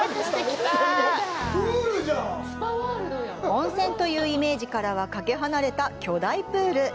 温泉というイメージからはかけ離れた巨大プール。